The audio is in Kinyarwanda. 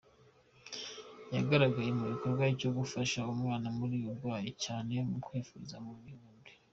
Yagaragaye mu gikorwa cyo gufasha umwana wari urwaye cyane kujya kwivuriza mu buhindi